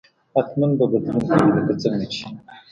حتما به بدلون کوي لکه څنګه چې